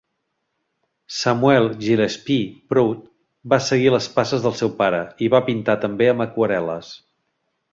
Samuel Gillespie Prout va seguir les passes del seu pare i va pintar també amb aquarel·les.